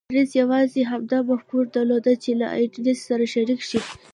بارنس يوازې همدا مفکوره درلوده چې له ايډېسن سره شريک شي.